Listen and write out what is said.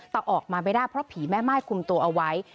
แต่ออกมาไม่ได้เพราะผีแม่ม่ายคุมตัวเอาไว้